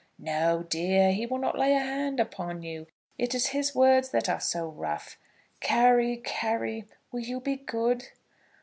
"No, dear; he will not lay a hand upon you. It is his words that are so rough! Carry, Carry, will you be good?"